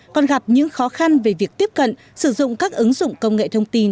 còn gặp những khó khăn về việc tiếp cận sử dụng các ứng dụng công nghệ thông tin